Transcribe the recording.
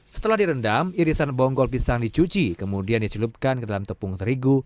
setelah direndam irisan bonggol pisang dicuci kemudian dicelupkan ke dalam tepung terigu